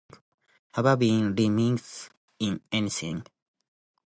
Have I been remiss in anything?